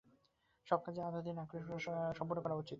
সব কাজই আধাআধি না করে সম্পূর্ণ করা উচিত।